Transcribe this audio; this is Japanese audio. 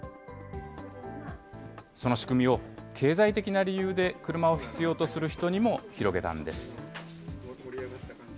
その仕組みを、経済的な理由で車を必要とする人にも広げたんです。